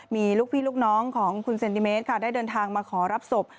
มีลูกพี่ลูกน้องของคุณเซนติเมตรค่ะได้เดินทางมาขอรับศพ